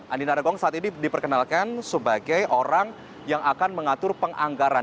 andi narogong saat ini diperkenalkan sebagai orang yang akan mengatur penganggaran